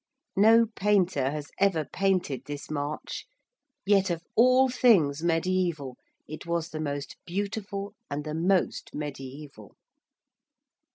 No painter has ever painted this March: yet of all things, mediæval, it was the most beautiful and the most mediæval.